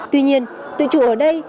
tuy nhiên tự chủ ở đây